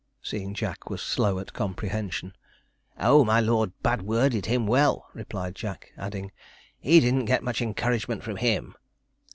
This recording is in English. seeing Jack was slow at comprehension. 'Oh, my lord bad worded him well,' replied Jack, adding, 'he didn't get much encouragement from him.'